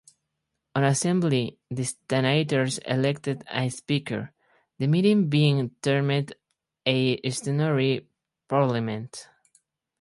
On assembly the stannators elected a speaker, the meeting being termed a Stannary Parliament.